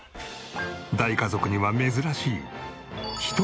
大家族には珍しい。